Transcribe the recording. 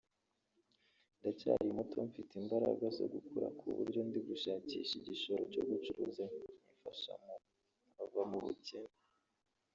(…) ndacyari muto mfite imbaraga zo gukora ku buryo ndi gushakisha igishoro cyo gucuruza nkifasha nkava mu bukene